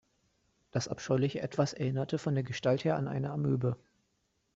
Das abscheuliche Etwas erinnerte von der Gestalt her an eine Amöbe.